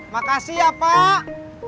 makasih ya pak